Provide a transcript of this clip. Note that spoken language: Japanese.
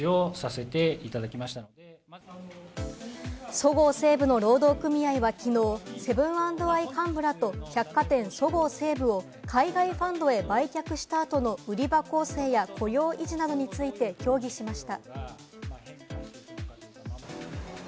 そごう・西武の労働組合はきのう、セブン＆アイ幹部らと百貨店、そごう・西武を海外ファンドへ売却した後の売り場構成や雇用維持などについて協議しました。